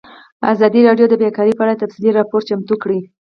ازادي راډیو د بیکاري په اړه تفصیلي راپور چمتو کړی.